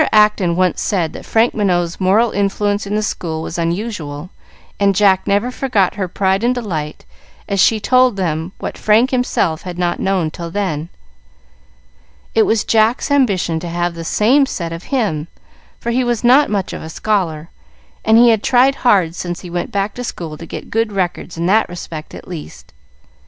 Acton once said that Frank Minot's moral influence in the school was unusual, and Jack never forgot her pride and delight as she told them what Frank himself had not known till then. It was Jack's ambition to have the same said of him, for he was not much of a scholar, and he had tried hard since he went back to school to get good records in that respect at least.